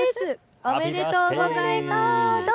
おめでとうございます。